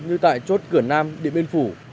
như tại chốt cửa nam điện biên phủ